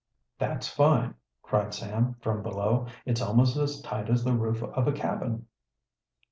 "That's fine!" cried Sam, from below. "It's almost as tight as the roof of a cabin."